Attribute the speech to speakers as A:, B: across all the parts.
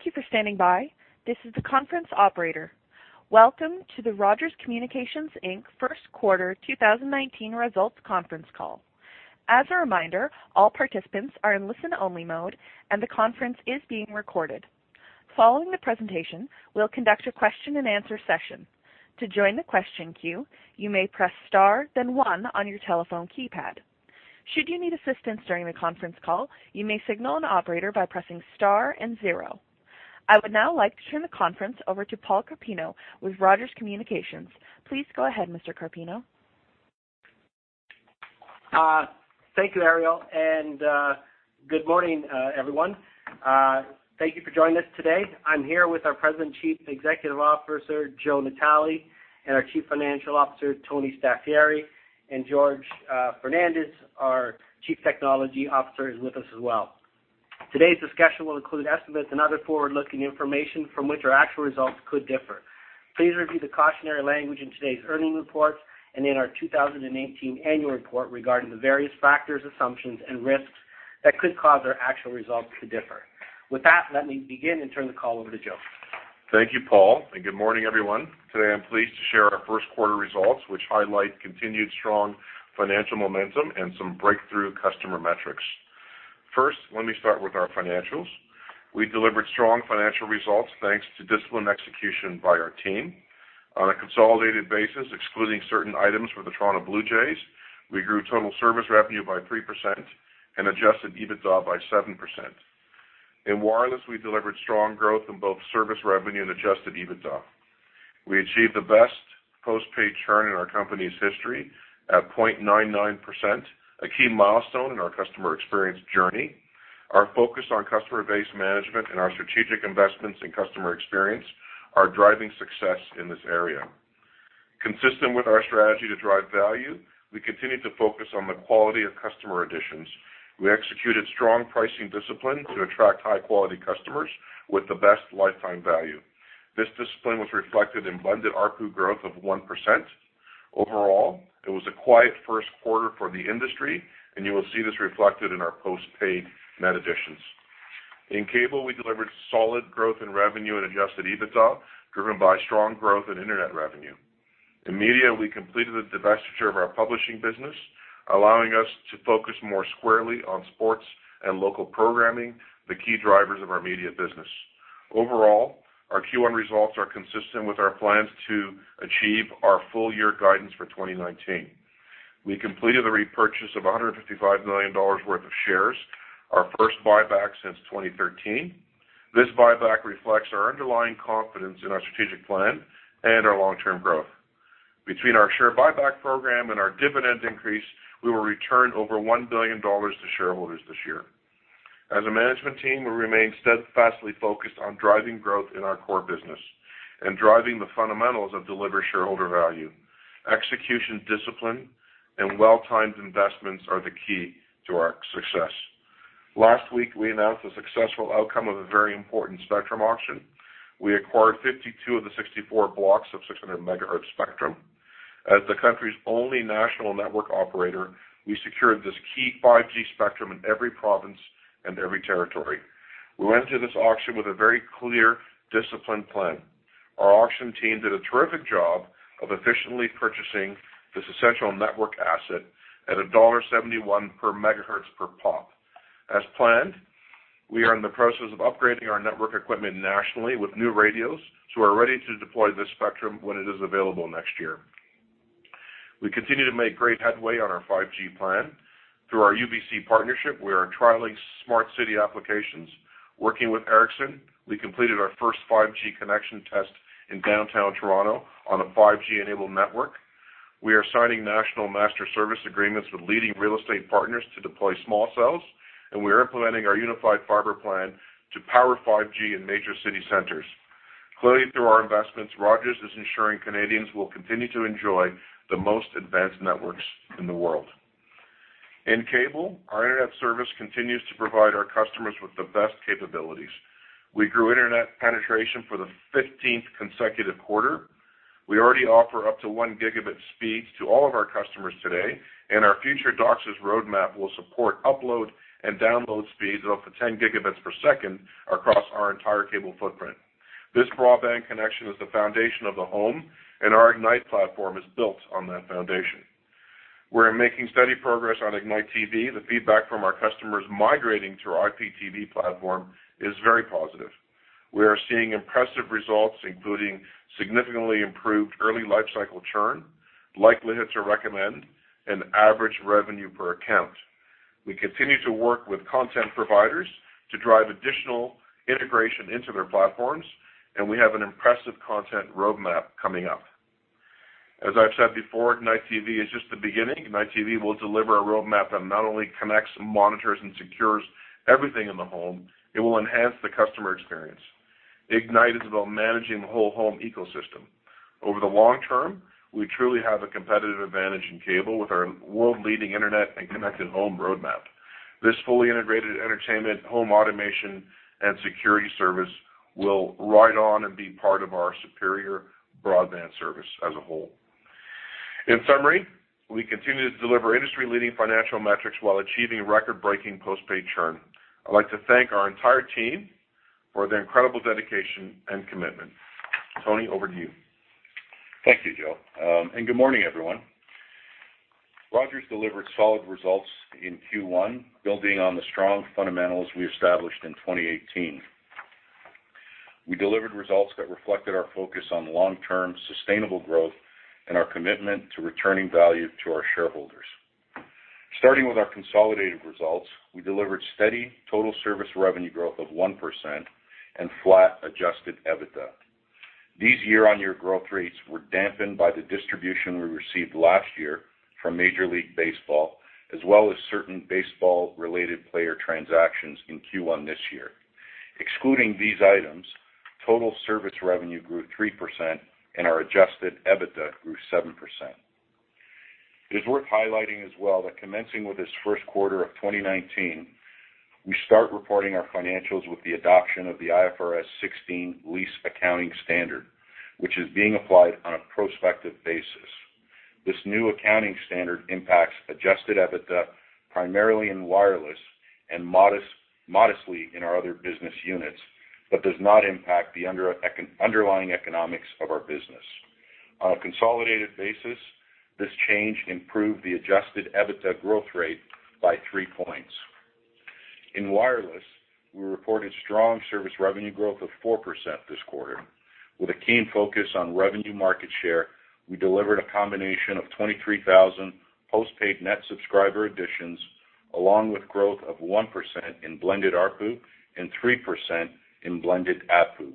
A: Thank you for standing by. This is the conference operator. Welcome to the Rogers Communications Inc. First Quarter 2019 Results Conference Call. As a reminder, all participants are in listen-only mode, and the conference is being recorded. Following the presentation, we'll conduct a Q&A session. To join the question queue, you may press star, then one on your telephone keypad. Should you need assistance during the conference call, you may signal an operator by pressing star and zero. I would now like to turn the conference over to Paul Carpino with Rogers Communications. Please go ahead, Mr. Carpino.
B: Thank you, Ariel, and good morning, everyone. Thank you for joining us today. I'm here with our President and Chief Executive Officer, Joe Natale, and our Chief Financial Officer, Tony Staffieri, and Jorge Fernandes, our Chief Technology Officer, is with us as well. Today's discussion will include estimates and other forward-looking information from which our actual results could differ. Please review the cautionary language in today's earnings report and in our 2018 annual report regarding the various factors, assumptions, and risks that could cause our actual results to differ. With that, let me begin and turn the call over to Joe.
C: Thank you, Paul, and good morning, everyone. Today, I'm pleased to share our first quarter results, which highlight continued strong financial momentum and some breakthrough customer metrics. First, let me start with our financials. We delivered strong financial results thanks to disciplined execution by our team. On a consolidated basis, excluding certain items for the Toronto Blue Jays, we grew total service revenue by 3% and adjusted EBITDA by 7%. In wireless, we delivered strong growth in both service revenue and adjusted EBITDA. We achieved the best postpaid churn in our company's history at 0.99%, a key milestone in our customer experience journey. Our focus on customer base management and our strategic investments in customer experience are driving success in this area. Consistent with our strategy to drive value, we continue to focus on the quality of customer additions. We executed strong pricing discipline to attract high-quality customers with the best lifetime value. This discipline was reflected in blended ARPU growth of 1%. Overall, it was a quiet first quarter for the industry, and you will see this reflected in our postpaid net additions. In cable, we delivered solid growth in revenue and adjusted EBITDA, driven by strong growth in internet revenue. In media, we completed the divestiture of our publishing business, allowing us to focus more squarely on sports and local programming, the key drivers of our media business. Overall, our Q1 results are consistent with our plans to achieve our full-year guidance for 2019. We completed a repurchase of 155 million dollars worth of shares, our first buyback since 2013. This buyback reflects our underlying confidence in our strategic plan and our long-term growth. Between our share buyback program and our dividend increase, we will return over $1 billion to shareholders this year. As a management team, we remain steadfastly focused on driving growth in our core business and driving the fundamentals of delivered shareholder value. Execution, discipline, and well-timed investments are the key to our success. Last week, we announced the successful outcome of a very important spectrum auction. We acquired 52 of the 64 blocks of 600 megahertz spectrum. As the country's only national network operator, we secured this key 5G spectrum in every province and every territory. We went into this auction with a very clear discipline plan. Our auction team did a terrific job of efficiently purchasing this essential network asset at $1.71 per megahertz per pop. As planned, we are in the process of upgrading our network equipment nationally with new radios, so we're ready to deploy this spectrum when it is available next year. We continue to make great headway on our 5G plan. Through our UBC partnership, we are trialing smart city applications. Working with Ericsson, we completed our first 5G connection test in downtown Toronto on a 5G-enabled network. We are signing national master service agreements with leading real estate partners to deploy small cells, and we are implementing our unified fiber plan to power 5G in major city centers. Clearly, through our investments, Rogers is ensuring Canadians will continue to enjoy the most advanced networks in the world. In cable, our internet service continues to provide our customers with the best capabilities. We grew internet penetration for the 15th consecutive quarter. We already offer up to one gigabit speeds to all of our customers today, and our future DOCSIS roadmap will support upload and download speeds of up to 10 gigabits per second across our entire cable footprint. This broadband connection is the foundation of the home, and our Ignite platform is built on that foundation. We're making steady progress on Ignite TV. The feedback from our customers migrating to our IPTV platform is very positive. We are seeing impressive results, including significantly improved early life cycle churn, likelihood to recommend, and average revenue per account. We continue to work with content providers to drive additional integration into their platforms, and we have an impressive content roadmap coming up. As I've said before, Ignite TV is just the beginning. Ignite TV will deliver a roadmap that not only connects, monitors, and secures everything in the home, it will enhance the customer experience. Ignite is about managing the whole home ecosystem. Over the long term, we truly have a competitive advantage in cable with our world-leading internet and connected home roadmap. This fully integrated entertainment, home automation, and security service will ride on and be part of our superior broadband service as a whole. In summary, we continue to deliver industry-leading financial metrics while achieving record-breaking postpaid churn. I'd like to thank our entire team for their incredible dedication and commitment. Tony, over to you.
D: Thank you, Joe, and good morning, everyone. Rogers delivered solid results in Q1, building on the strong fundamentals we established in 2018. We delivered results that reflected our focus on long-term sustainable growth and our commitment to returning value to our shareholders. Starting with our consolidated results, we delivered steady total service revenue growth of 1% and flat Adjusted EBITDA. These year-on-year growth rates were dampened by the distribution we received last year from Major League Baseball, as well as certain baseball-related player transactions in Q1 this year. Excluding these items, total service revenue grew 3%, and our Adjusted EBITDA grew 7%. It is worth highlighting as well that commencing with this first quarter of 2019, we start reporting our financials with the adoption of the IFRS 16 lease accounting standard, which is being applied on a prospective basis. This new accounting standard impacts Adjusted EBITDA primarily in wireless and modestly in our other business units, but does not impact the underlying economics of our business. On a consolidated basis, this change improved the Adjusted EBITDA growth rate by three points. In wireless, we reported strong service revenue growth of 4% this quarter. With a keen focus on revenue market share, we delivered a combination of 23,000 postpaid net subscriber additions, along with growth of 1% in blended ARPU and 3% in blended ABPU.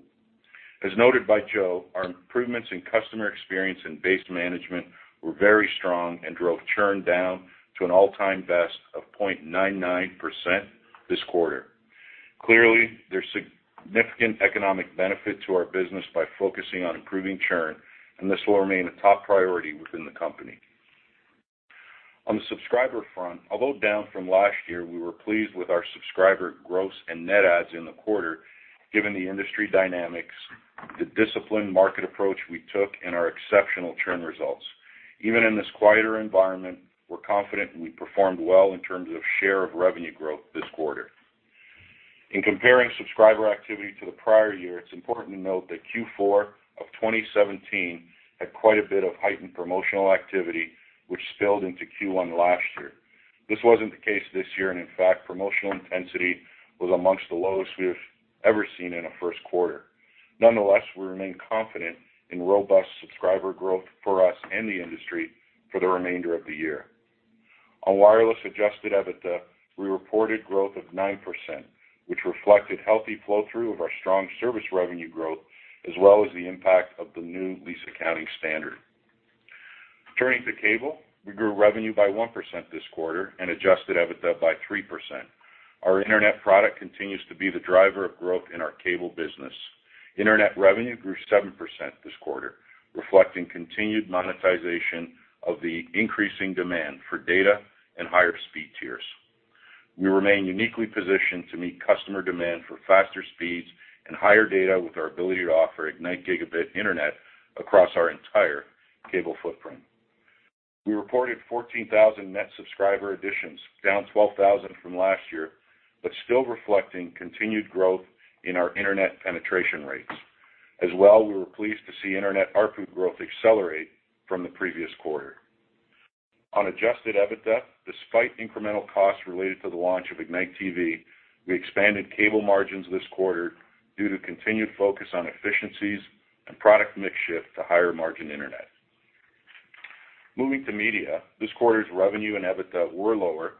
D: As noted by Joe, our improvements in customer experience and base management were very strong and drove churn down to an all-time best of 0.99% this quarter. Clearly, there's significant economic benefit to our business by focusing on improving churn, and this will remain a top priority within the company. On the subscriber front, although down from last year, we were pleased with our subscriber gross and net adds in the quarter, given the industry dynamics, the disciplined market approach we took, and our exceptional churn results. Even in this quieter environment, we're confident we performed well in terms of share of revenue growth this quarter. In comparing subscriber activity to the prior year, it's important to note that Q4 of 2017 had quite a bit of heightened promotional activity, which spilled into Q1 last year. This wasn't the case this year, and in fact, promotional intensity was among the lowest we've ever seen in a first quarter. Nonetheless, we remain confident in robust subscriber growth for us and the industry for the remainder of the year. On wireless Adjusted EBITDA, we reported growth of 9%, which reflected healthy flow-through of our strong service revenue growth, as well as the impact of the new lease accounting standard. Turning to cable, we grew revenue by 1% this quarter and Adjusted EBITDA by 3%. Our internet product continues to be the driver of growth in our cable business. Internet revenue grew 7% this quarter, reflecting continued monetization of the increasing demand for data and higher speed tiers. We remain uniquely positioned to meet customer demand for faster speeds and higher data with our ability to offer Ignite Gigabit Internet across our entire cable footprint. We reported 14,000 net subscriber additions, down 12,000 from last year, but still reflecting continued growth in our internet penetration rates. As well, we were pleased to see internet ARPU growth accelerate from the previous quarter. On Adjusted EBITDA, despite incremental costs related to the launch of Ignite TV, we expanded cable margins this quarter due to continued focus on efficiencies and product mix shift to higher margin internet. Moving to media, this quarter's revenue and EBITDA were lower,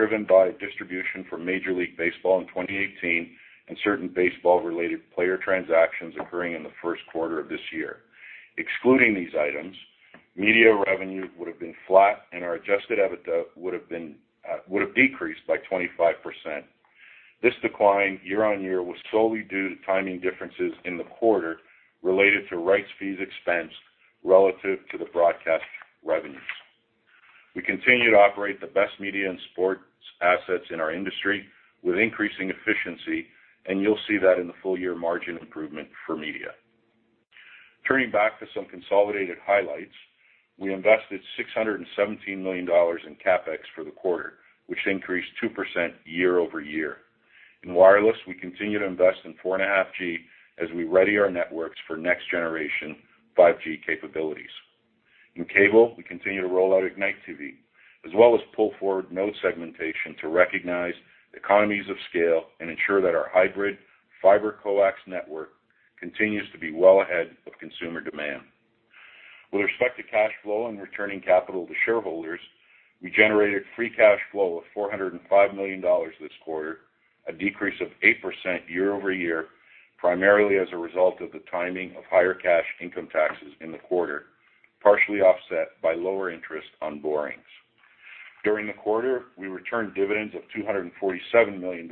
D: driven by distribution for Major League Baseball in 2018 and certain baseball-related player transactions occurring in the first quarter of this year. Excluding these items, media revenue would have been flat, and our Adjusted EBITDA would have decreased by 25%. This decline year-on-year was solely due to timing differences in the quarter related to rights fees expense relative to the broadcast revenues. We continue to operate the best media and sports assets in our industry with increasing efficiency, and you'll see that in the full-year margin improvement for media. Turning back to some consolidated highlights, we invested $617 million in CapEx for the quarter, which increased 2% year-over-year. In wireless, we continue to invest in 4.5G as we ready our networks for next-generation 5G capabilities. In cable, we continue to roll out Ignite TV, as well as pull forward node segmentation to recognize economies of scale and ensure that our hybrid fiber coax network continues to be well ahead of consumer demand. With respect to cash flow and returning capital to shareholders, we generated free cash flow of $405 million this quarter, a decrease of 8% year-over-year, primarily as a result of the timing of higher cash income taxes in the quarter, partially offset by lower interest on borrowings. During the quarter, we returned dividends of $247 million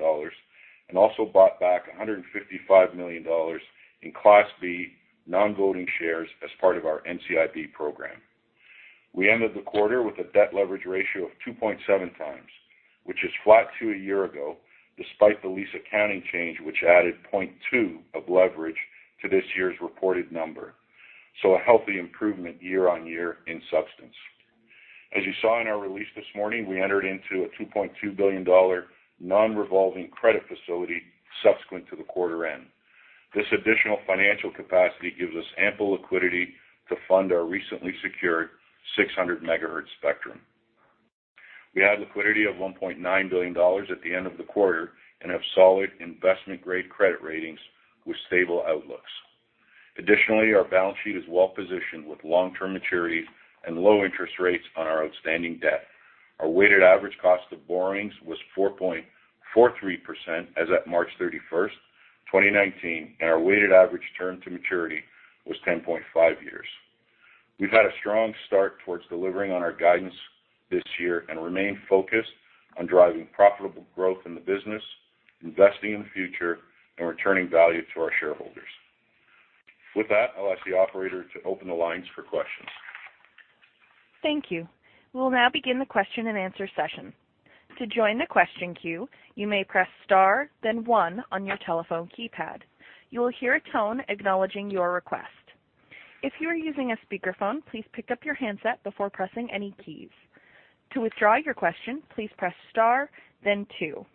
D: and also bought back $155 million in Class B non-voting shares as part of our NCIB program. We ended the quarter with a debt leverage ratio of 2.7 times, which is flat to a year ago, despite the lease accounting change, which added 0.2 of leverage to this year's reported number, so a healthy improvement year-on-year in substance. As you saw in our release this morning, we entered into a 2.2 billion dollar non-revolving credit facility subsequent to the quarter end. This additional financial capacity gives us ample liquidity to fund our recently secured 600 megahertz spectrum. We had liquidity of 1.9 billion dollars at the end of the quarter and have solid investment-grade credit ratings with stable outlooks. Additionally, our balance sheet is well-positioned with long-term maturity and low interest rates on our outstanding debt. Our weighted average cost of borrowings was 4.43% as of March 31st, 2019, and our weighted average term to maturity was 10.5 years. We've had a strong start towards delivering on our guidance this year and remain focused on driving profitable growth in the business, investing in the future, and returning value to our shareholders. With that, I'll ask the operator to open the lines for questions.
A: Thank you. We'll now begin the Q&A session. To join the question queue, you may press star, then one on your telephone keypad. You will hear a tone acknowledging your request. If you are using a speakerphone, please pick up your handset before pressing any keys. To withdraw your question, please press star, then two.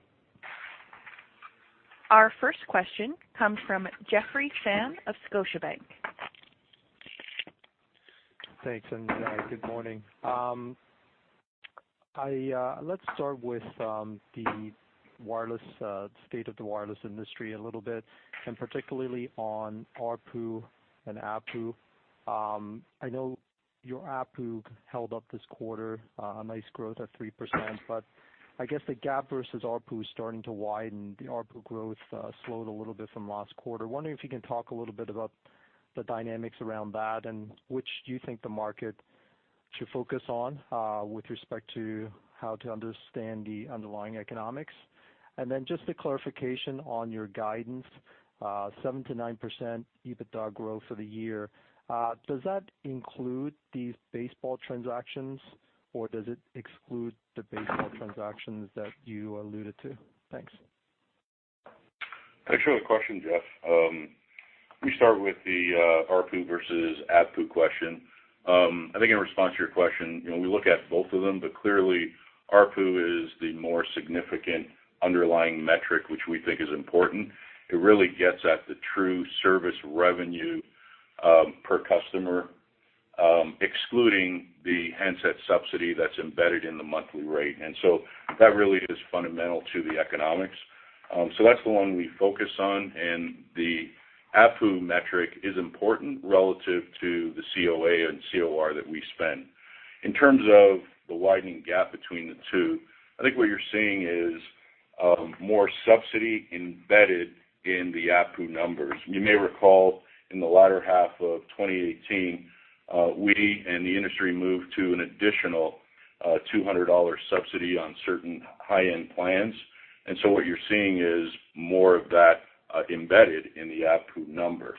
A: Our first question comes from Jeff Fan of Scotiabank.
E: Thanks, and good morning. Let's start with the wireless state of the wireless industry a little bit, and particularly on ARPU and ABPU. I know your ABPU held up this quarter, a nice growth of 3%, but I guess the gap versus ARPU is starting to widen. The ARPU growth slowed a little bit from last quarter. Wondering if you can talk a little bit about the dynamics around that and which do you think the market should focus on with respect to how to understand the underlying economics? And then just a clarification on your guidance, 7%-9% EBITDA growth for the year. Does that include these baseball transactions, or does it exclude the baseball transactions that you alluded to? Thanks.
D: Thanks for the question, Jeff. We start with the ARPU versus ABPU question. I think in response to your question, we look at both of them, but clearly ARPU is the more significant underlying metric, which we think is important. It really gets at the true service revenue per customer, excluding the handset subsidy that's embedded in the monthly rate, and so that really is fundamental to the economics, so that's the one we focus on, and the ABPU metric is important relative to the COA and COR that we spend. In terms of the widening gap between the two, I think what you're seeing is more subsidy embedded in the ABPU numbers. You may recall in the latter half of 2018, we and the industry moved to an additional $200 subsidy on certain high-end plans, and so what you're seeing is more of that embedded in the ABPU number.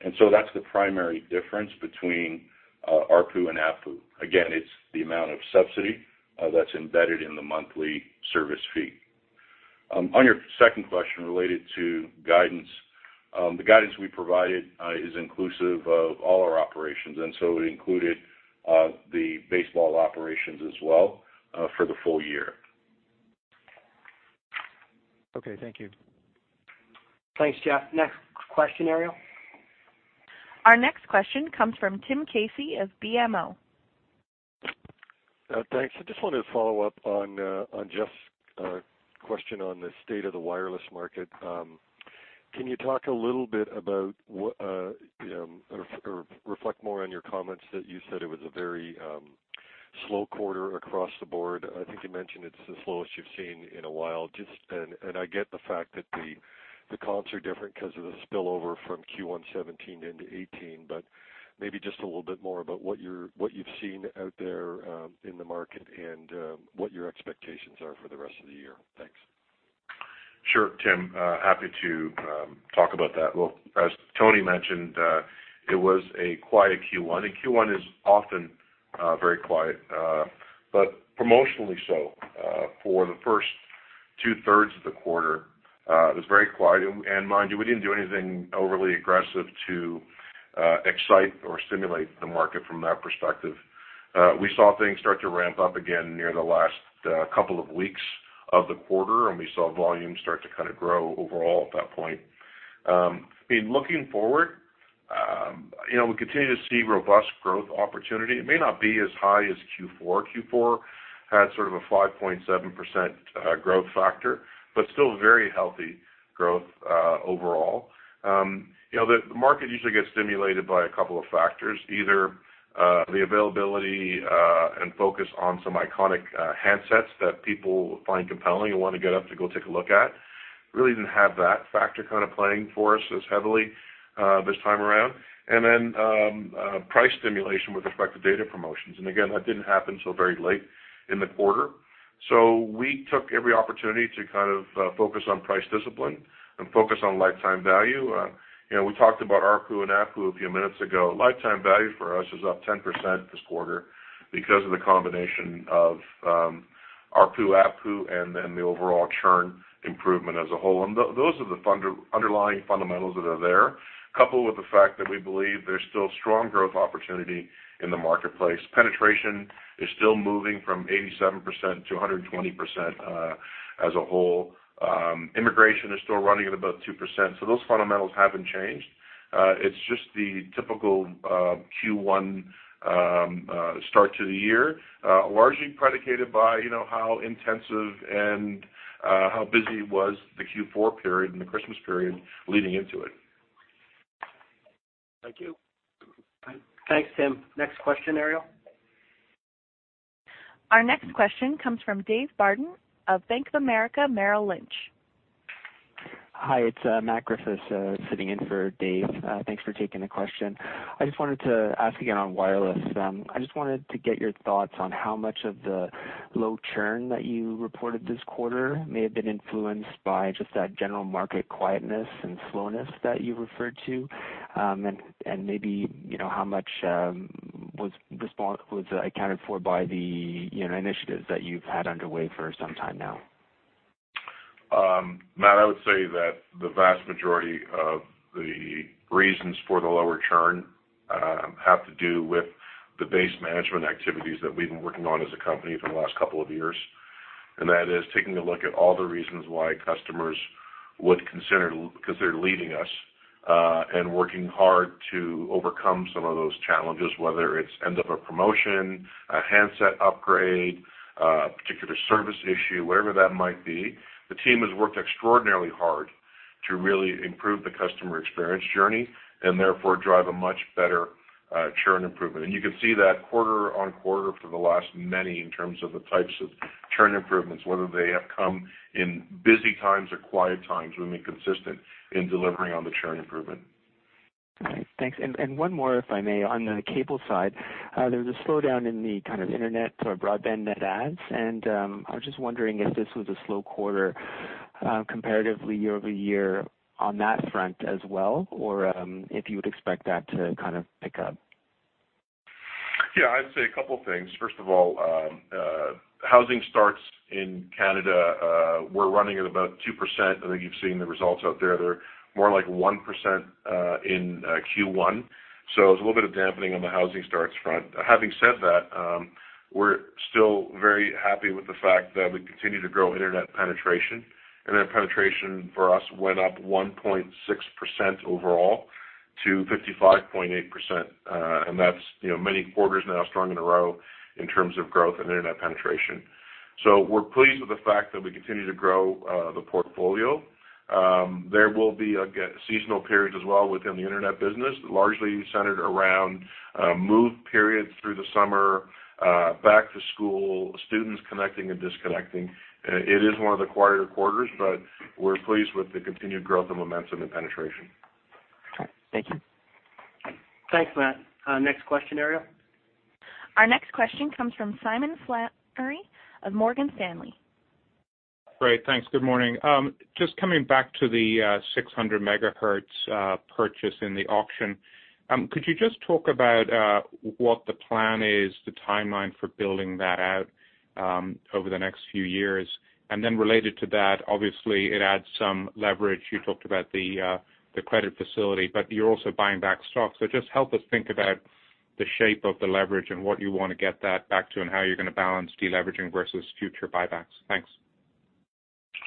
D: And so that's the primary difference between ARPU and ABPU. Again, it's the amount of subsidy that's embedded in the monthly service fee. On your second question related to guidance, the guidance we provided is inclusive of all our operations, and so it included the baseball operations as well for the full year.
E: Okay, thank you.
B: Thanks, Jeff. Next question, Ariel.
A: Our next question comes from Tim Casey of BMO.
F: Thanks. I just wanted to follow up on Jeff's question on the state of the wireless market. Can you talk a little bit about or reflect more on your comments that you said it was a very slow quarter across the board? I think you mentioned it's the slowest you've seen in a while, and I get the fact that the comps are different because of the spillover from Q1 2017 into 2018, but maybe just a little bit more about what you've seen out there in the market and what your expectations are for the rest of the year. Thanks.
C: Sure, Tim. Happy to talk about that. Well, as Tony mentioned, it was a quiet Q1, and Q1 is often very quiet, but promotionally so. For the first two-thirds of the quarter, it was very quiet, and mind you, we didn't do anything overly aggressive to excite or stimulate the market from that perspective. We saw things start to ramp up again near the last couple of weeks of the quarter, and we saw volume start to kind of grow overall at that point. Looking forward, we continue to see robust growth opportunity. It may not be as high as Q4. Q4 had sort of a 5.7% growth factor, but still very healthy growth overall. The market usually gets stimulated by a couple of factors, either the availability and focus on some iconic handsets that people find compelling and want to get up to go take a look at. Really didn't have that factor kind of playing for us as heavily this time around, and then price stimulation with respect to data promotions, and again, that didn't happen until very late in the quarter, so we took every opportunity to kind of focus on price discipline and focus on lifetime value. We talked about ARPU and ABPU a few minutes ago. Lifetime value for us is up 10% this quarter because of the combination of ARPU, ABPU, and then the overall churn improvement as a whole. And those are the underlying fundamentals that are there, coupled with the fact that we believe there's still strong growth opportunity in the marketplace. Penetration is still moving from 87% to 120% as a whole. Immigration is still running at about 2%, so those fundamentals haven't changed. It's just the typical Q1 start to the year, largely predicated by how intensive and how busy was the Q4 period and the Christmas period leading into it.
F: Thank you.
B: Thanks, Tim. Next question, Ariel.
A: Our next question comes from Dave Barden of Bank of America Merrill Lynch.
G: Hi, it's Matt Griffiths sitting in for Dave. Thanks for taking the question. I just wanted to ask again on wireless. I just wanted to get your thoughts on how much of the low churn that you reported this quarter may have been influenced by just that general market quietness and slowness that you referred to, and maybe how much was accounted for by the initiatives that you've had underway for some time now.
D: Matt, I would say that the vast majority of the reasons for the lower churn have to do with the base management activities that we've been working on as a company for the last couple of years, and that is taking a look at all the reasons why customers would consider leaving us and working hard to overcome some of those challenges, whether it's end of a promotion, a handset upgrade, a particular service issue, whatever that might be. The team has worked extraordinarily hard to really improve the customer experience journey and therefore drive a much better churn improvement, and you can see that quarter on quarter for the last many in terms of the types of churn improvements, whether they have come in busy times or quiet times, we've been consistent in delivering on the churn improvement.
G: All right. Thanks. And one more, if I may, on the cable side. There was a slowdown in the kind of internet or broadband net adds, and I was just wondering if this was a slow quarter comparatively year-over-year on that front as well, or if you would expect that to kind of pick up?
D: Yeah, I'd say a couple of things. First of all, housing starts in Canada, we're running at about 2%. I think you've seen the results out there. They're more like 1% in Q1. So it's a little bit of dampening on the housing starts front. Having said that, we're still very happy with the fact that we continue to grow internet penetration. Internet penetration for us went up 1.6% overall to 55.8%, and that's many quarters now strong in a row in terms of growth in internet penetration. So we're pleased with the fact that we continue to grow the portfolio. There will be a seasonal period as well within the internet business, largely centered around move periods through the summer, back to school, students connecting and disconnecting. It is one of the quieter quarters, but we're pleased with the continued growth and momentum in penetration.
G: Thank you.
B: Thanks, Matt. Next question, Ariel.
A: Our next question comes from Simon Flannery of Morgan Stanley.
H: Great. Thanks. Good morning. Just coming back to the 600 megahertz purchase in the auction, could you just talk about what the plan is, the timeline for building that out over the next few years? And then related to that, obviously, it adds some leverage. You talked about the credit facility, but you're also buying back stock. So just help us think about the shape of the leverage and what you want to get that back to and how you're going to balance deleveraging versus future buybacks. Thanks.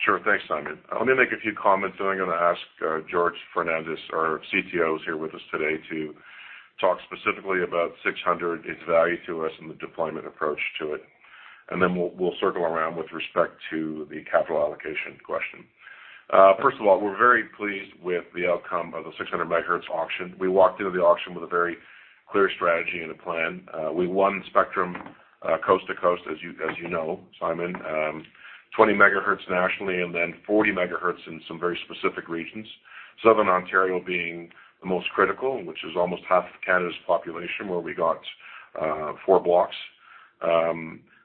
C: Sure. Thanks, Simon. Let me make a few comments, and then I'm going to ask Jorge Fernandes, our CTO, who's here with us today, to talk specifically about 600, its value to us, and the deployment approach to it, and then we'll circle around with respect to the capital allocation question. First of all, we're very pleased with the outcome of the 600 megahertz auction. We walked into the auction with a very clear strategy and a plan. We won spectrum coast to coast, as you know, Simon, 20 megahertz nationally, and then 40 megahertz in some very specific regions. Southern Ontario being the most critical, which is almost half of Canada's population, where we got four blocks.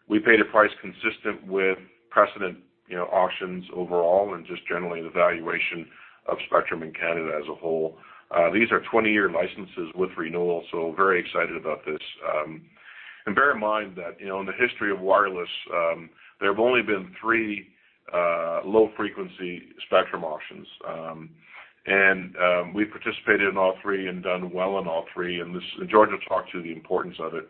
C: We paid a price consistent with precedent auctions overall and just generally the valuation of spectrum in Canada as a whole. These are 20-year licenses with renewal, so very excited about this. Bear in mind that in the history of wireless, there have only been three low-frequency spectrum auctions, and we've participated in all three and done well in all three, and Jorge will talk to the importance of it.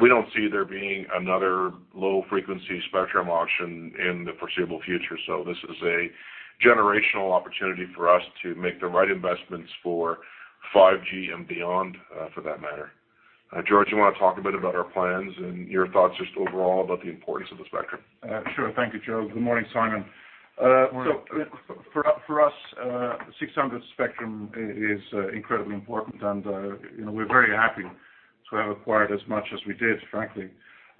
C: We don't see there being another low-frequency spectrum auction in the foreseeable future, so this is a generational opportunity for us to make the right investments for 5G and beyond, for that matter. Jorge, you want to talk a bit about our plans and your thoughts just overall about the importance of the spectrum?
I: Sure. Thank you, Joe. Good morning, Simon. So for us, 600 spectrum is incredibly important, and we're very happy to have acquired as much as we did, frankly.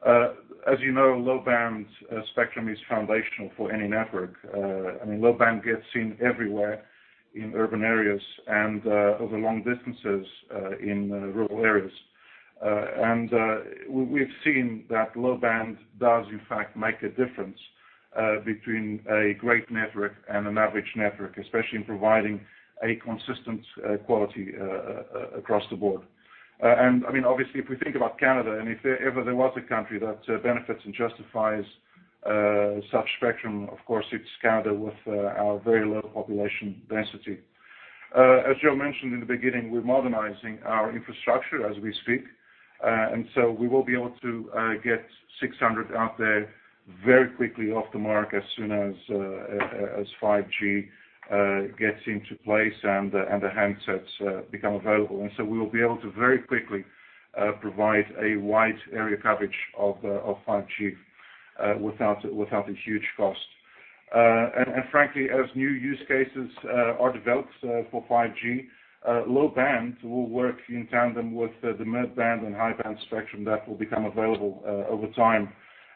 I: As you know, low-band spectrum is foundational for any network. I mean, low-band gets seen everywhere in urban areas and over long distances in rural areas. And we've seen that low-band does, in fact, make a difference between a great network and an average network, especially in providing a consistent quality across the board. And I mean, obviously, if we think about Canada and if ever there was a country that benefits and justifies such spectrum, of course, it's Canada with our very low population density. As Joe mentioned in the beginning, we're modernizing our infrastructure as we speak, and so we will be able to get 600 out there very quickly off the mark as soon as 5G gets into place and the handsets become available, and so we will be able to very quickly provide a wide area coverage of 5G without a huge cost, and frankly, as new use cases are developed for 5G, low-band will work in tandem with the mid-band and high-band spectrum that will become available over time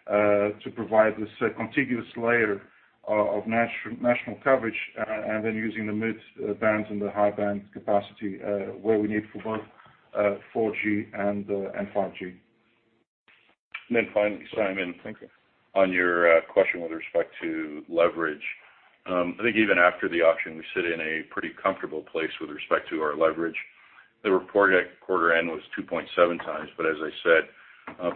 I: to provide this contiguous layer of national coverage and then using the mid-band and the high-band capacity where we need for both 4G and 5G.
D: And then finally, Simon.
H: Thank you.
D: On your question with respect to leverage, I think even after the auction, we sit in a pretty comfortable place with respect to our leverage. The report at quarter end was 2.7 times, but as I said,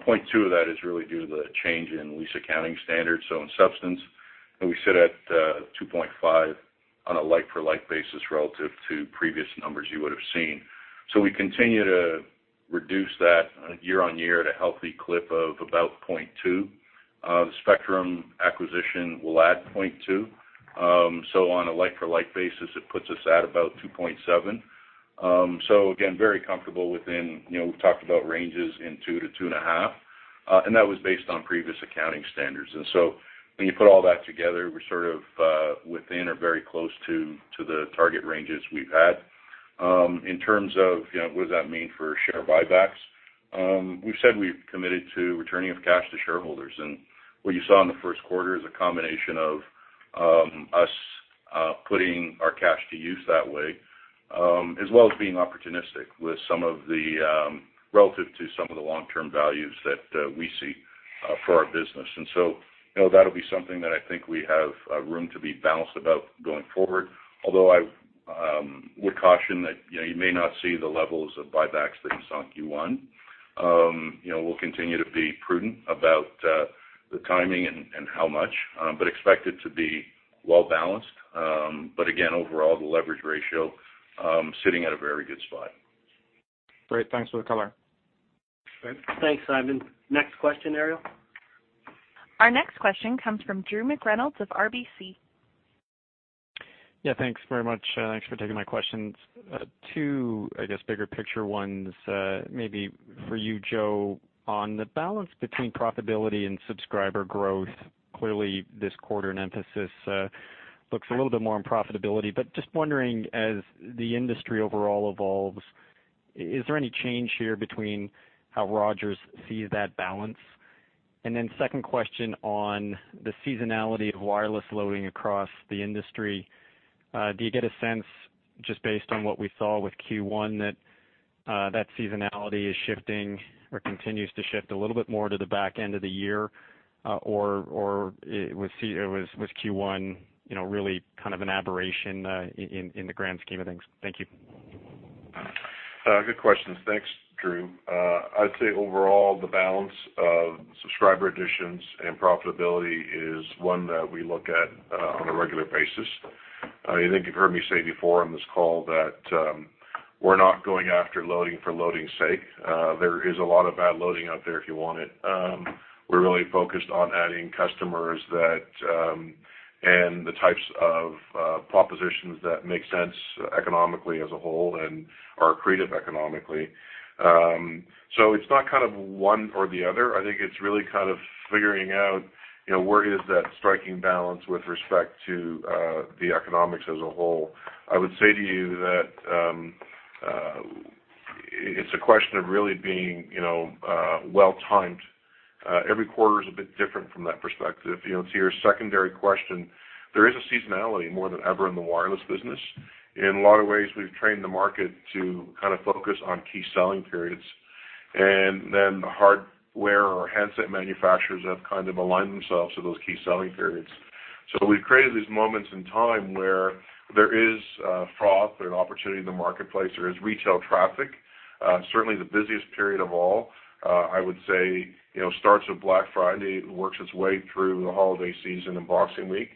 D: 0.2 of that is really due to the change in lease accounting standards. So in substance, we sit at 2.5 on a like-for-like basis relative to previous numbers you would have seen. So we continue to reduce that year-on-year at a healthy clip of about 0.2. The spectrum acquisition will add 0.2. So on a like-for-like basis, it puts us at about 2.7. So again, very comfortable within we've talked about ranges in 2-2.5, and that was based on previous accounting standards. And so when you put all that together, we're sort of within or very close to the target ranges we've had. In terms of what does that mean for share buybacks? We've said we've committed to returning of cash to shareholders, and what you saw in the first quarter is a combination of us putting our cash to use that way, as well as being opportunistic with some of the relative to some of the long-term values that we see for our business, and so that'll be something that I think we have room to be bounced about going forward, although I would caution that you may not see the levels of buybacks that you saw in Q1. We'll continue to be prudent about the timing and how much, but expect it to be well-balanced. But again, overall, the leverage ratio sitting at a very good spot.
H: Great. Thanks for the color.
B: Thanks, Simon. Next question, Ariel.
A: Our next question comes from Drew McReynolds of RBC.
J: Yeah, thanks very much. Thanks for taking my questions. Two, I guess, bigger picture ones maybe for you, Joe. On the balance between profitability and subscriber growth, clearly this quarter and emphasis looks a little bit more on profitability, but just wondering, as the industry overall evolves, is there any change here between how Rogers sees that balance? And then second question on the seasonality of wireless loading across the industry. Do you get a sense, just based on what we saw with Q1, that that seasonality is shifting or continues to shift a little bit more to the back end of the year, or or was Q1 really kind of an aberration in the grand scheme of things? Thank you.
C: Good questions. Thanks, Drew. I'd say overall, the balance of subscriber additions and profitability is one that we look at on a regular basis. I think you've heard me say before on this call that we're not going after loading for loading's sake. There is a lot of bad loading out there if you want it. We're really focused on adding customers and the types of propositions that make sense economically as a whole and are creative economically. So it's not kind of one or the other. I think it's really kind of figuring out where is that striking balance with respect to the economics as a whole. I would say to you that it's a question of really being well-timed. Every quarter is a bit different from that perspective. To your secondary question, there is a seasonality more than ever in the wireless business. In a lot of ways, we've trained the market to kind of focus on key selling periods, and then the hardware or handset manufacturers have kind of aligned themselves to those key selling periods. So we've created these moments in time where there is fraught, there's opportunity in the marketplace, there is retail traffic. Certainly, the busiest period of all, I would say, starts with Black Friday, works its way through the holiday season and Boxing Week.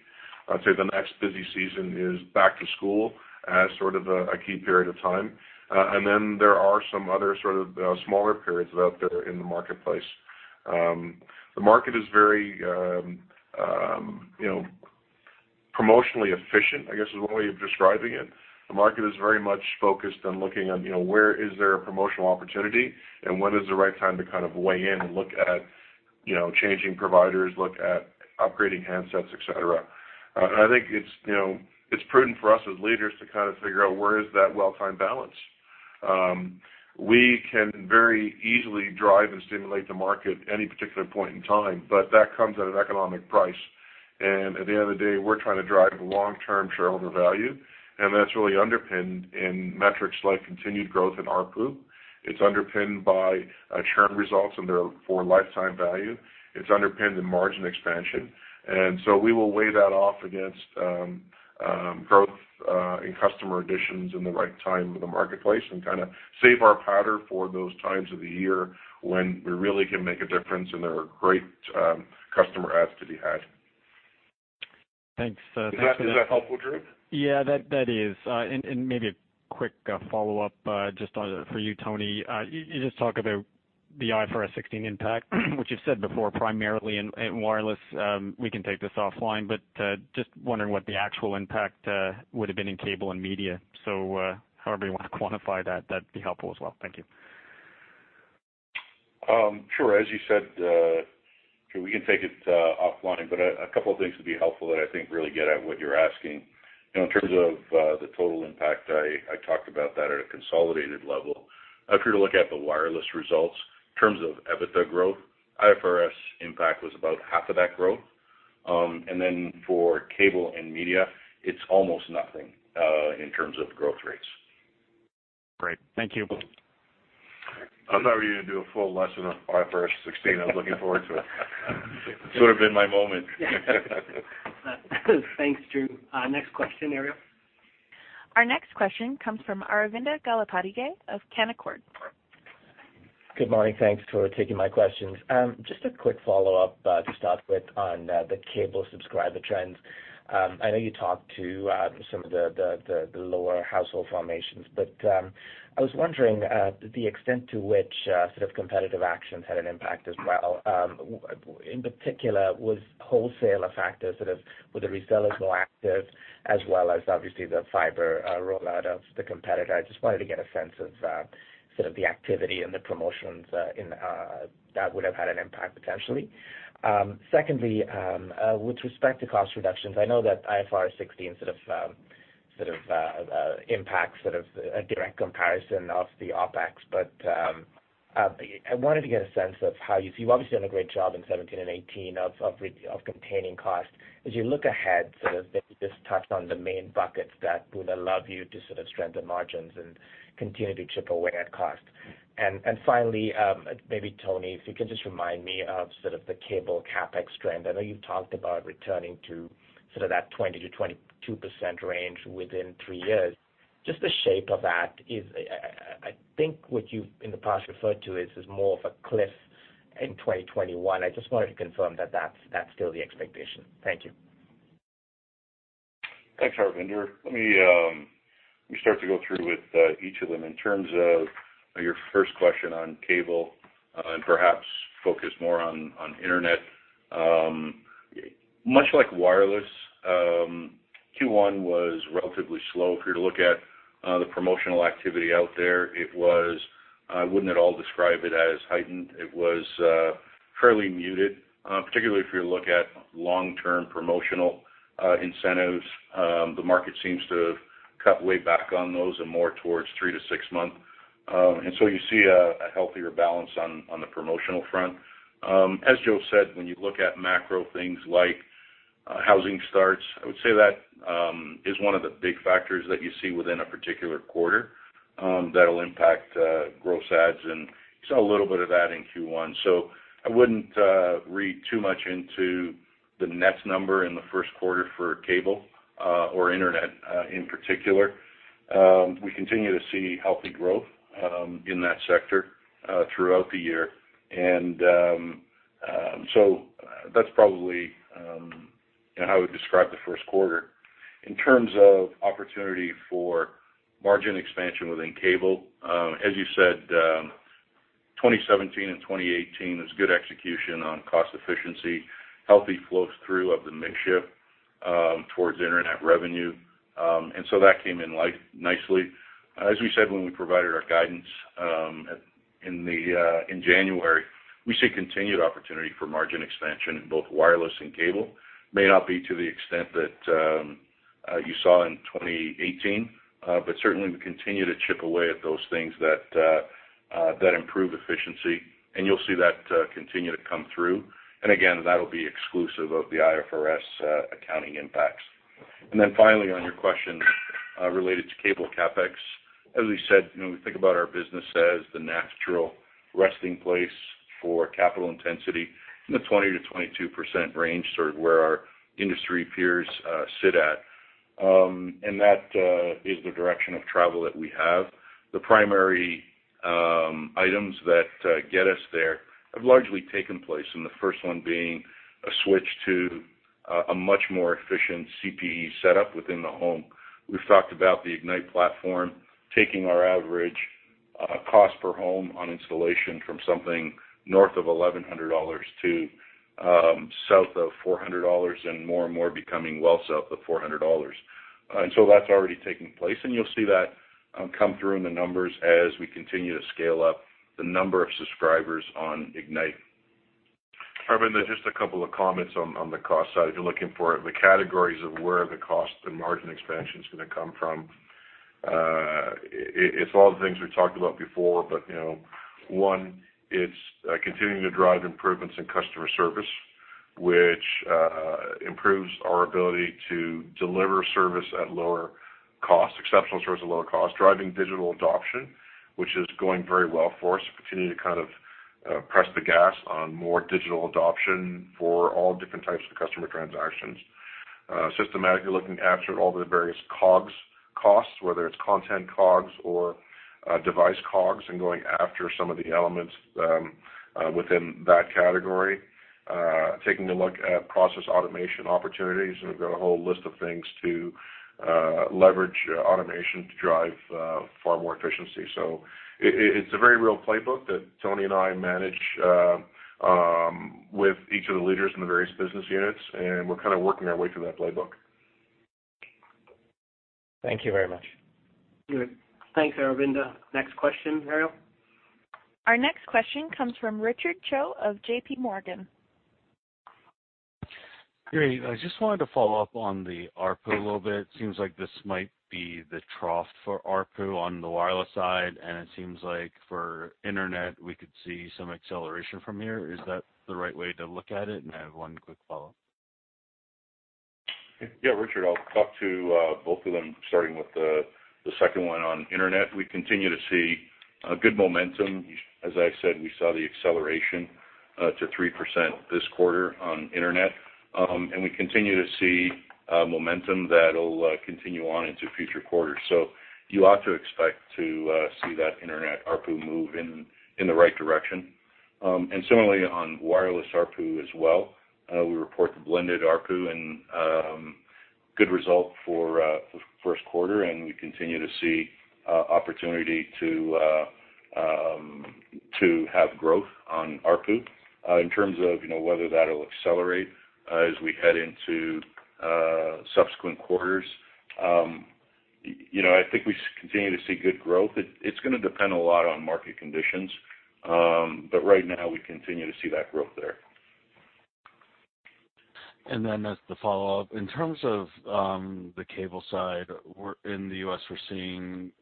C: I'd say the next busy season is Back to School as sort of a key period of time, and then there are some other sort of smaller periods out there in the marketplace. The market is very, you know, promotionally efficient, I guess, is one way of describing it. The market is very much focused on looking at where is there a promotional opportunity and when is the right time to kind of weigh in and look at changing providers, look at upgrading handsets, etc. And I think it's prudent for us as leaders to kind of figure out where is that well-timed balance. We can very easily drive and stimulate the market at any particular point in time, but that comes at an economic price. And at the end of the day, we're trying to drive long-term shareholder value, and that's really underpinned in metrics like continued growth in ARPU. It's underpinned by churn results and therefore lifetime value. It's underpinned in margin expansion. And so we will weigh that off against growth in customer additions in the right time of the marketplace and kind of save our powder for those times of the year when we really can make a difference and there are great customer adds to be had.
J: Thanks.
C: Is that helpful, Drew?
J: Yeah, that is. And maybe a quick follow-up just for you, Tony. You just talked about the IFRS 16 impact, which you've said before primarily in wireless. We can take this offline, but just wondering what the actual impact would have been in cable and media. So however you want to quantify that, that'd be helpful as well. Thank you.
D: Sure. As you said, we can take it offline, but a couple of things would be helpful that I think really get at what you're asking. In terms of the total impact, I talked about that at a consolidated level. If you're to look at the wireless results, in terms of EBITDA growth, IFRS impact was about half of that growth, and then for cable and media, it's almost nothing in terms of growth rates.
J: Great. Thank you.
C: I thought we were going to do a full lesson on IFRS 16. I was looking forward to it. It's sort of been my moment.
B: Thanks, Drew. Next question, Ariel.
A: Our next question comes from Aravinda Galappatthige of Canaccord.
K: Good morning. Thanks for taking my questions. Just a quick follow-up to start with on the cable subscriber trends. I know you talked to some of the the the lower household formations, but I was wondering the extent to which sort of competitive actions had an impact as well. In particular, was wholesale a factor? Were the resellers more active as well as, obviously, the fiber rollout of the competitor? I just wanted to get a sense of sort of the activity and the promotions that would have had an impact potentially. Secondly, with respect to cost reductions, I know that IFRS 16 sort of impacts sort of a direct comparison of the OpEx, but I wanted to get a sense of how you've obviously done a great job in 2017 and 2018 of containing cost. As you look ahead, sort of just touch on the main buckets that would allow you to sort of strengthen margins and continue to chip away at cost. And finally, maybe, Tony, if you can just remind me of sort of the cable CapEx trend. I know you've talked about returning to sort of that 20%-22% range within three years. Just the shape of that, I think what you've in the past referred to is more of a cliff in 2021. I just wanted to confirm that that's still the expectation. Thank you.
D: Thanks, Aravinda. Let me start to go through with each of them. In terms of your first question on cable and perhaps focus more on internet, much like wireless, Q1 was relatively slow. If you're to look at the promotional activity out there, it was. I wouldn't at all describe it as heightened. It was fairly muted, particularly if you look at long-term promotional incentives. The market seems to have cut way back on those and more towards three to six months. And so you see a healthier balance on the promotional front. As Joe said, when you look at macro things like housing starts, I would say that is one of the big factors that you see within a particular quarter that will impact gross adds. And you saw a little bit of that in Q1. And so I wouldn't read too much into the net number in the first quarter for cable or internet in particular. We continue to see healthy growth in that sector throughout the year. And so that's probably how I would describe the first quarter. In terms of opportunity for margin expansion within cable, as you said, 2017 and 2018 was good execution on cost efficiency, healthy flow-through of the mixture towards internet revenue. And so that came in nicely. As we said when we provided our guidance in January, we see continued opportunity for margin expansion in both wireless and cable. May not be to the extent that you saw in 2018, but certainly we continue to chip away at those things that that improve efficiency. And you'll see that continue to come through. And again, that'll be exclusive of the IFRS accounting impacts. And then finally, on your question related to cable CapEx, as we said, we think about our business as the natural resting place for capital intensity in the 20%-22% range sort of where our industry peers sit at. And that is the direction of travel that we have. The primary items that get us there have largely taken place, and the first one being a switch to a much more efficient CPE setup within the home. We've talked about the Ignite platform taking our average cost per home on installation from something north of 1,100 dollars to south of 400 dollars and more and more becoming well south of 400 dollars. And so that's already taking place, and you'll see that come through in the numbers as we continue to scale up the number of subscribers on Ignite.
C: Aravinda, just a couple of comments on the cost side. If you're looking for the categories of where the cost and margin expansion is going to come from, it's all the things we talked about before, but one, it's continuing to drive improvements in customer service, which improves our ability to deliver service at lower cost, exceptional service at lower cost, driving digital adoption, which is going very well for us. Continue to kind of press the gas on more digital adoption for all different types of customer transactions. Systematically looking after all the various COGS costs, whether it's content COGS or device COGS, and going after some of the elements within that category. Taking a look at process automation opportunities, and we've got a whole list of things to leverage automation to drive far more efficiency. So it's a very real playbook that Tony and I manage with each of the leaders in the various business units, and we're kind of working our way through that playbook.
K: Thank you very much.
B: Thanks, Aravinda. Next question, Ariel.
A: Our next question comes from Richard Choe of J.P. Morgan.
L: Great. I just wanted to follow up on the ARPU a little bit. It seems like this might be the trough for ARPU on the wireless side, and it seems like for internet, we could see some acceleration from here. Is that the right way to look at it? And I have one quick follow-up.
D: Yeah, Richard, I'll talk to both of them, starting with the second one on internet. We continue to see good momentum. As I said, we saw the acceleration to 3% this quarter on internet. And we continue to see momentum that will continue on into future quarters. So you ought to expect to see that internet ARPU move in the right direction. And similarly, on wireless ARPU as well, we report the blended ARPU and good result for the first quarter. And we continue to see opportunity to have growth on ARPU in terms of whether that will accelerate as we head into subsequent quarters. You know, I think we continue to see good growth. It's going to depend a lot on market conditions, but right now, we continue to see that growth there.
L: And then as the follow-up, in terms of the cable side, in the U.S., we're seeing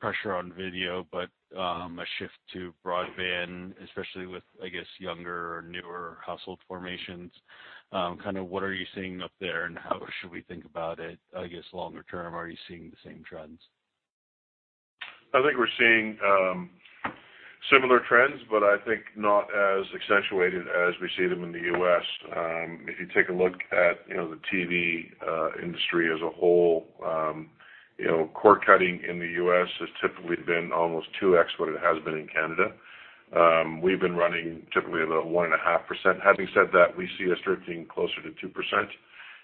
L: pressure on video, but a shift to broadband, especially with, I guess, younger or newer household formations. Kind of what are you seeing up there, and how should we think about it, I guess, longer term? Are you seeing the same trends?
C: I think we're seeing similar trends, but I think not as accentuated as we see them in the U.S. If you take a look at the TV industry as a whole, cord cutting in the U.S. has typically been almost 2X what it has been in Canada. We've been running typically at about 1.5%. Having said that, we see a shifting closer to 2%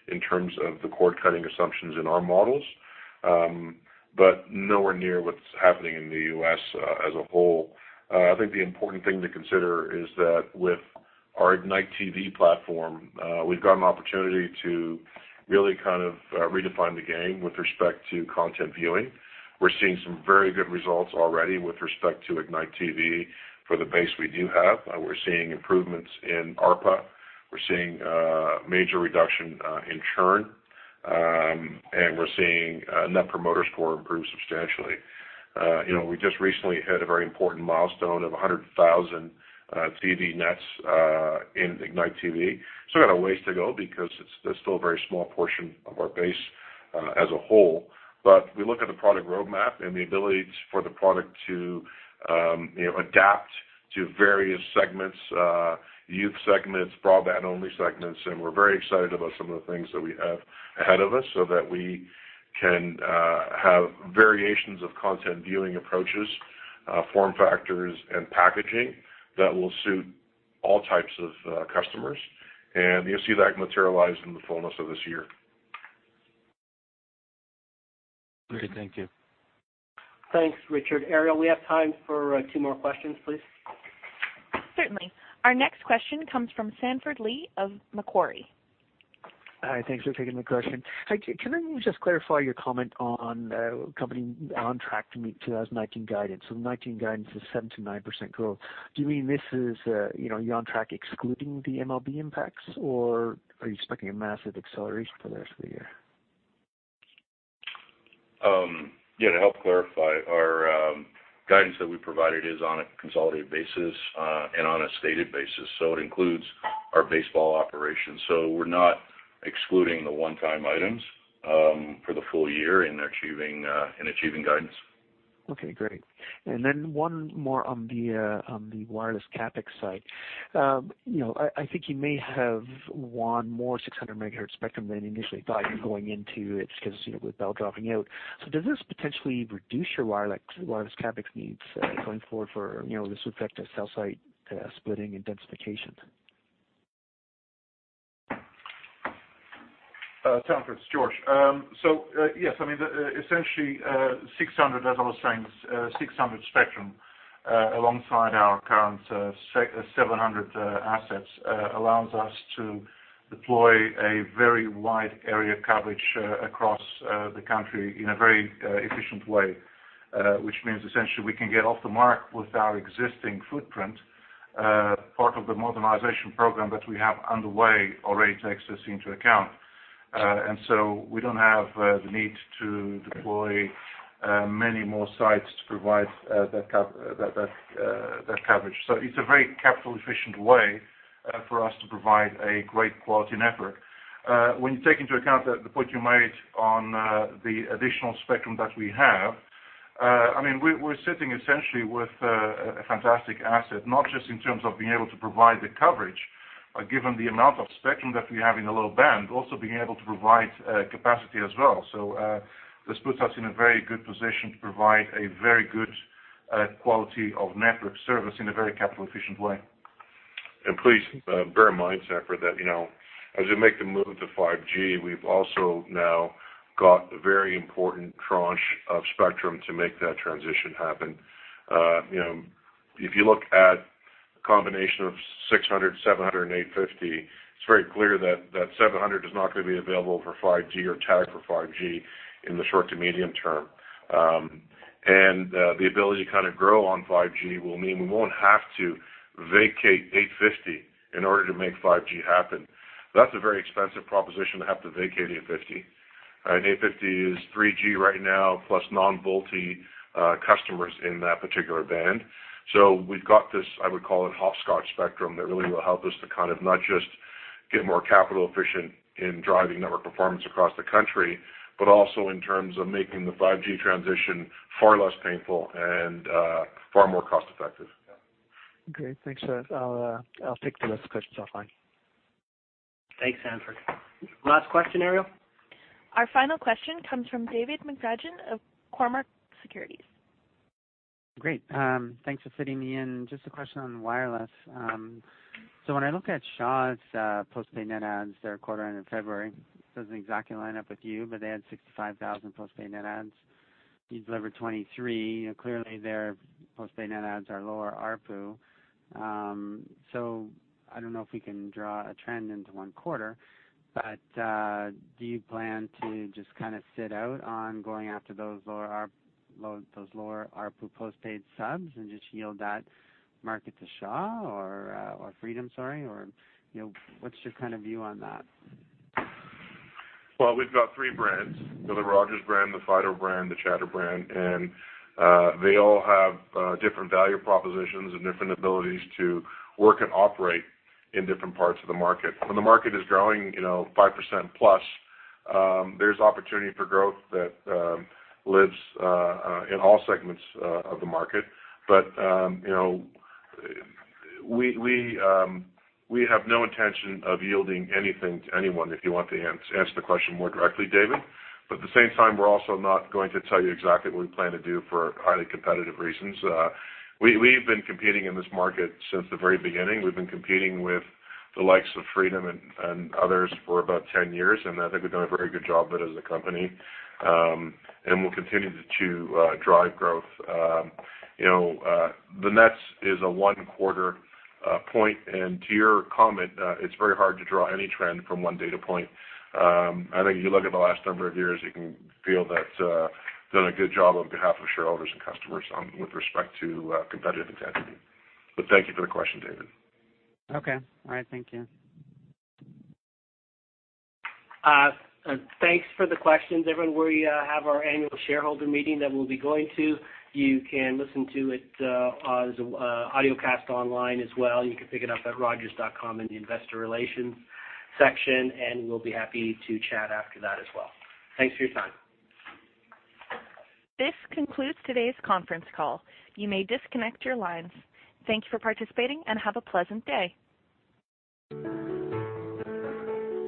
C: in terms of the cord cutting assumptions in our models, but nowhere near what's happening in the U.S. as a whole. I think the important thing to consider is that with our Ignite TV platform, we've got an opportunity to really kind of redefine the game with respect to content viewing. We're seeing some very good results already with respect to Ignite TV for the base we do have. We're seeing improvements in ARPA. We're seeing a major reduction in churn, and we're seeing Net Promoter Score improve substantially. We just recently hit a very important milestone of 100,000 TV nets in Ignite TV. So we've got a ways to go because it's still a very small portion of our base as a whole. But we look at the product roadmap and the ability for the product to adapt to various segments: youth segments, broadband-only segments. And we're very excited about some of the things that we have ahead of us so that we can have variations of content viewing approaches, form factors, and packaging that will suit all types of customers. And you'll see that materialize in the fullness of this year.
L: Great. Thank you.
B: Thanks, Richard. Ariel, we have time for two more questions, please.
A: Certainly. Our next question comes from Sanford Lee of Macquarie.
M: Hi. Thanks for taking the question. Can I just clarify your comment on the company on track to meet 2019 guidance? So the 2019 guidance is 7%-9% growth. Do you mean this is you're on track excluding the MLB impacts, or are you expecting a massive acceleration for the rest of the year?
D: Yeah. To help clarify, our guidance that we provided is on a consolidated basis and on a stated basis. So it includes our baseball operations. So we're not excluding the one-time items for the full year in achieving guidance.
M: Okay. Great. And then one more on the wireless CapEx side. I think you may have won more 600 megahertz spectrum than you initially thought you were going into it because with Bell dropping out. So does this potentially reduce your wireless CapEx needs going forward, or this would affect the cell site splitting and densification?
I: Sanford, it's Jorge. So yes, I mean, essentially, as I was saying, 600 spectrum alongside our current 700 assets allows us to deploy a very wide area coverage across the country in a very efficient way, which means essentially we can get off the mark with our existing footprint. Part of the modernization program that we have underway already takes this into account, and so we don't have the need to deploy many more sites to provide that coverage. So it's a very capital-efficient way for us to provide a great quality network. When you take into account the point you made on the additional spectrum that we have, I mean, we're sitting essentially with a fantastic asset, not just in terms of being able to provide the coverage, but given the amount of spectrum that we have in the low band, also being able to provide capacity as well. So this puts us in a very good position to provide a very good quality of network service in a very capital-efficient way.
C: Please bear in mind, Sanford, that as we make the move to 5G, we've also now got a very important tranche of spectrum to make that transition happen. If you look at a combination of 600, 700, and 850, it's very clear that 700 is not going to be available for 5G or tagged for 5G in the short to medium term. The ability to kind of grow on 5G will mean we won't have to vacate 850 in order to make 5G happen. That's a very expensive proposition to have to vacate 850. 850 is 3G right now plus non-VoLTE customers in that particular band. So we've got this, I would call it, hot-shot spectrum that really will help us to kind of not just get more capital-efficient in driving network performance across the country, but also in terms of making the 5G transition far less painful and far more cost-effective.
M: Great. Thanks, Sir. I'll take the rest of the questions offline.
B: Thanks, Sanford. Last question, Ariel?
A: Our final question comes from David McFadgen of Cormorant Securities.
N: Great. Thanks for fitting me in. Just a question on wireless. So when I look at Shaw's postpaid net adds, their quarter end of February, it doesn't exactly line up with you, but they had 65,000 postpaid net adds. You delivered 23. Clearly, their postpaid net adds are lower ARPU. So I don't know if we can draw a trend into one quarter, but do you plan to just kind of sit out on going after those lower ARPU postpaid subs and just yield that market to Shaw or Freedom, sorry? What's your kind of view on that?
C: Well we've got three brands: the Rogers brand, the Fido brand, the Chatr brand. They all have different value propositions and different abilities to work and operate in different parts of the market. When the market is growing 5% plus, there's opportunity for growth that lives in all segments of the market. But you know, we we we have no intention of yielding anything to anyone if you want to answer the question more directly, David. At the same time, we're also not going to tell you exactly what we plan to do for highly competitive reasons. We've been competing in this market since the very beginning. We've been competing with the likes of Freedom and others for about 10 years, and I think we've done a very good job of it as a company. We'll continue to drive growth. The net's is a one-quarter point. And to your comment, it's very hard to draw any trend from one data point. I think if you look at the last number of years, you can feel that we've done a good job on behalf of shareholders and customers with respect to competitive intensity. But thank you for the question, David.
N: Okay. All right. Thank you.
B: Thanks for the questions. Everyone will have our annual shareholder meeting that we'll be going to. You can listen to it as an audiocast online as well. You can pick it up at Rogers.com in the investor relations section, and we'll be happy to chat after that as well. Thanks for your time.
A: This concludes today's conference call. You may disconnect your lines. Thank you for participating and have a pleasant day.